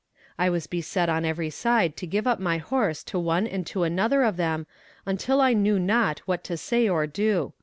I was beset on every side to give up my horse to one and to another of them until I knew not what to say or do.